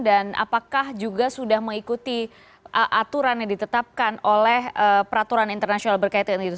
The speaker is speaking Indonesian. dan apakah juga sudah mengikuti aturan yang ditetapkan oleh peraturan internasional berkaitan itu